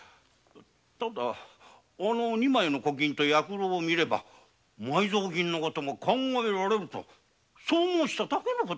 ただあの二枚の古金と薬篭を見れば埋蔵金の事も考えられるとそう申したまでの事。